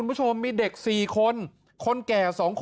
นั่นแหละครับ